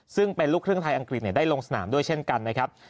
ซึ่งเป็นลูกครึ่งไทยอังกฤษได้ลงสนามด้วยเช่นกันนะครับ